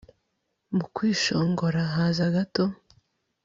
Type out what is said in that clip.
mu kwishongora haza gato,